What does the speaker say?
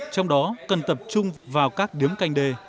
trong đó cần tập trung vào các điếm canh đê